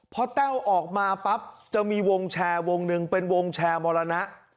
พอแต้วออกมาปั๊บจะมีวงแชร์วงหนึ่งเป็นวงแชร์มรณะ